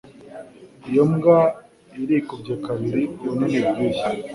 Iyo mbwa irikubye kabiri ubunini bwiyi.